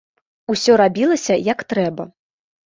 Усё рабілася, як трэба.